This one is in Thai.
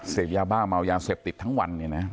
เสพยาบ้ามาวยาเสพติดทั้งวัน